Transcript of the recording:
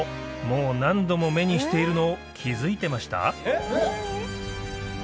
もう何度も目にしているの気づいてました？